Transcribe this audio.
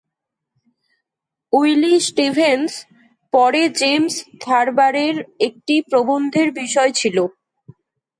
Willy Stevens পরে James থারবারের একটি প্রবন্ধের বিষয় ছিল।